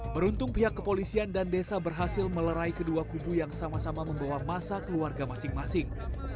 beruntung pihak kepolisian dan desa berhasil melerai kedua kubu yang sama sama membawa masa keluarga masing masing